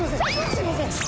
すいません！